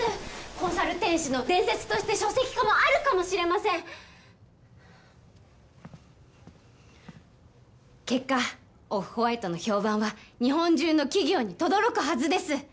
コンサル天使の伝説として書籍化もあるかもしれません結果オフホワイトの評判は日本中の企業にとどろくはずです